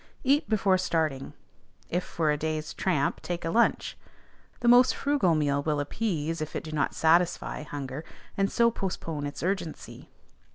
Eat before starting; if for a day's tramp, take a lunch; the most frugal meal will appease if it do not satisfy hunger, and so postpone its urgency.